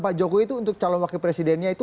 pak jokowi itu untuk calon wakil presidennya itu